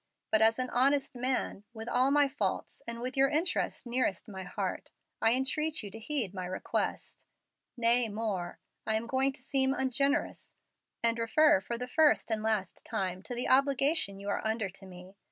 But as an honest man, with all my faults, and with your interests nearest my heart, I entreat you to heed my request. Nay, more: I am going to seem ungenerous, and refer for the first and last time to the obligation you are under to me.